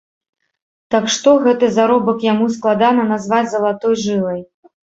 Так што гэты заробак яму складана назваць залатой жылай.